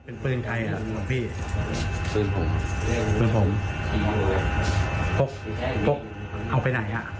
โอ้โห